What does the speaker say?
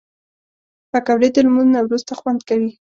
پکورې د لمونځ نه وروسته خوند کوي